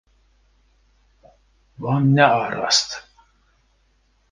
Wan nearast.